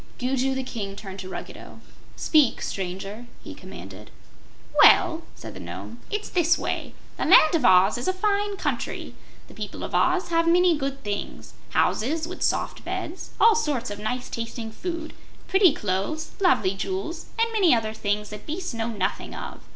Gugu the King turned to Ruggedo. "Speak, Stranger," he commanded. "Well," said the Nome, "it's this way: The Land of Oz is a fine country. The people of Oz have many good things houses with soft beds, all sorts of nice tasting food, pretty clothes, lovely jewels, and many other things that beasts know nothing of.